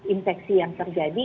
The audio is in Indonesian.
infeksi yang terjadi